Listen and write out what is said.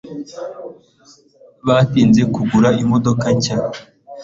Batinze kugura imodoka nshya.